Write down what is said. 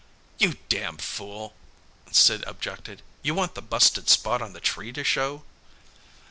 "You damn' fool!" Sid objected. "You want the busted spot on the tree to show?"